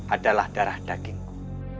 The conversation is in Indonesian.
adalah darah dagingmu